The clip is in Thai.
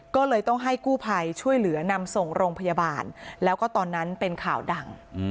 ก็เลยต้องให้กู้ภัยช่วยเหลือนำส่งโรงพยาบาลแล้วก็ตอนนั้นเป็นข่าวดัง